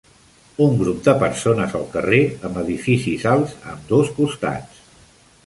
Un grup de persones al carrer amb edificis alts a ambdós costats.